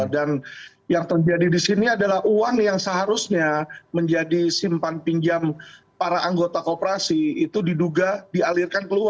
dan yang terjadi di sini adalah uang yang seharusnya menjadi simpan pinjam para anggota kooperasi itu diduga dialirkan